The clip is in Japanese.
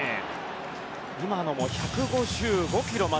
今のも１５５キロ。